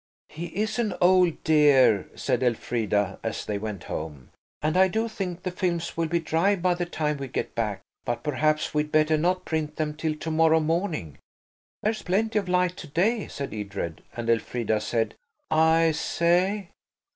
"He is an old dear," said Elfrida, as they went home, "and I do think the films will be dry by the time we get back; but perhaps we'd better not print them till to morrow morning." "There's plenty of light to day," said Edred, and Elfrida said– "I say?"